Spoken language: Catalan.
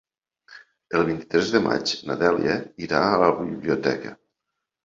El vint-i-tres de maig na Dèlia irà a la biblioteca.